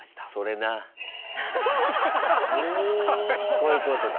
こういうことだ。